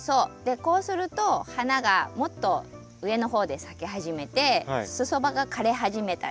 こうすると花がもっと上の方で咲き始めてすそ葉が枯れ始めたり。